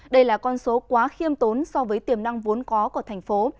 đây là con số quá khiêm tốn so với tiềm năng vốn có của thành phố